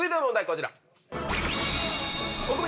こちら。